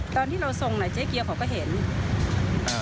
ตอนที่เราทรงน่ะเจ๊เกียวเขาก็เห็นอ่า